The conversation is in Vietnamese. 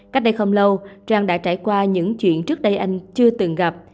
cách đây không lâu trang đã trải qua những chuyện trước đây anh chưa từng gặp